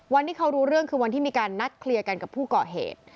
วันที่เขารู้เรื่องคือวันที่มีการนัดเคลียร์กันกับผู้ก่อเหตุ